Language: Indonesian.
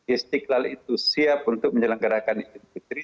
istiqlal itu siap untuk menyelenggarakan idul fitri